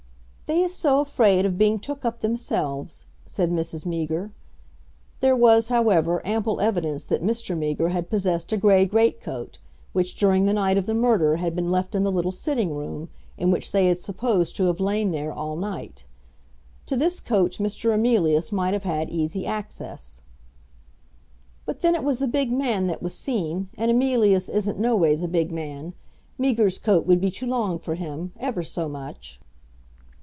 "They is so afraid of being took up themselves," said Mrs. Meager. There was, however, ample evidence that Mr. Meager had possessed a grey great coat, which during the night of the murder had been left in the little sitting room, and which they had supposed to have lain there all night. To this coat Mr. Emilius might have had easy access. "But then it was a big man that was seen, and Emilius isn't no ways a big man. Meager's coat would be too long for him, ever so much."